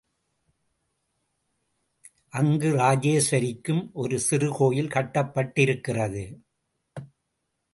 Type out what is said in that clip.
அங்கு ராஜராஜேஸ்வரிக்கும் ஒரு சிறு கோயில் கட்டப்பட்டிருக்கிறது.